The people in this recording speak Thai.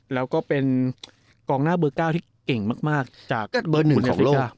แล้วก็เป็นกองหน้าเบอร์๙ที่เก่งมากจากคุณพุทธนาฬิกา